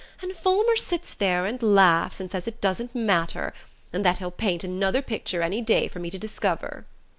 And Fulmer sits there and laughs, and says it doesn't matter, and that he'll paint another picture any day for me to discover!"